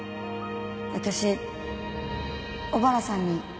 私小原さんにほ。